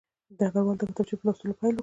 ډګروال د کتابچې په لوستلو پیل وکړ